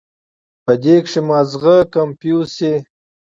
پۀ دې کښې مازغه کنفيوز شي